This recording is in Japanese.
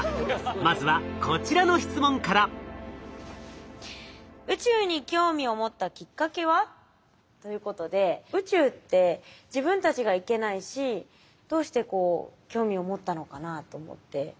まずはこちらの質問から。ということで宇宙って自分たちが行けないしどうしてこう興味を持ったのかなと思って。